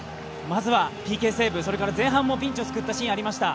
まずはＰＫセーブ、前半もピンチを救ったシーンがありました。